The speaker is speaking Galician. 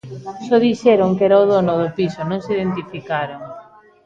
Só dixeron que era o dono do piso, non se identificaron.